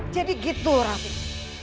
jadi gitu rafiq